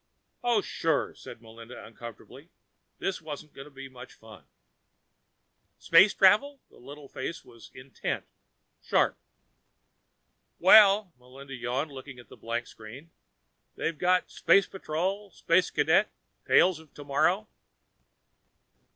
"Oh, sure," said Melinda uncomfortably. This wasn't going to be much fun. "Space travel?" The little face was intent, sharp. "Well," Melinda yawned, looking at the blank screen, "they've got Space Patrol, Space Cadet, Tales of Tomorrow